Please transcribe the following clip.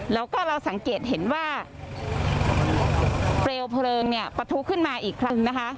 แล้วก็เราสังเกตเห็นว่าเปลวเพลิงเนี่ยปะทุขึ้นมาอีกครั้งนะคะ